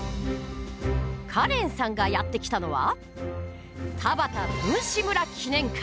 カレンさんがやって来たのは田端文士村記念館。